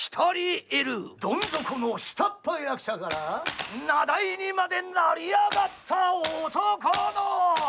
どん底の下っ端役者から名題にまで成り上がった男のぉ！